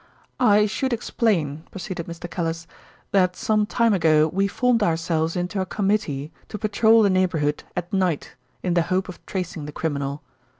"I should explain," proceeded Mr. Callice, "that some time ago we formed ourselves into a committee to patrol the neighbourhood at night in the hope of tracing the criminal.